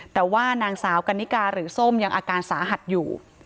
แต่ว่านางสาวกันนิกาหรือส้มยังอาการสาหัสอยู่